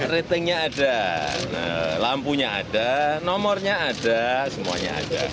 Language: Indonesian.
ratingnya ada lampunya ada nomornya ada semuanya ada